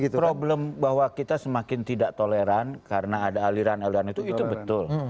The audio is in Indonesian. problem bahwa kita semakin tidak toleran karena ada aliran aliran itu itu betul